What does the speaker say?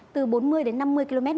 từ bốn mươi đến năm mươi km